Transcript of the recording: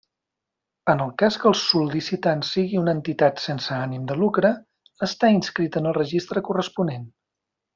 En el cas que el sol·licitant sigui una entitat sense ànim de lucre, estar inscrit en el registre corresponent.